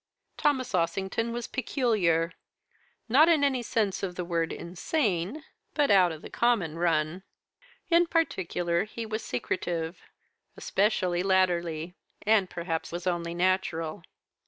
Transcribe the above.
"'Thomas Ossington was peculiar not, in any sense of the word, insane, but out of the common run. In particular he was secretive, especially latterly, as perhaps was only natural.